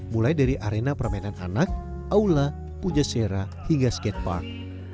mulai dari arena permainan anak aula pujasera hingga skatepark